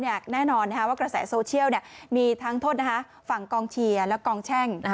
แน่นอนว่ากระแสโซเชียลมีทั้งโทษฝั่งกองเชียร์และกองแช่ง